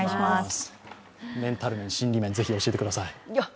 メンタル面、心理面ぜひ教えてください。